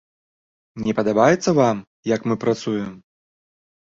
Не падабаецца вам, як мы працуем?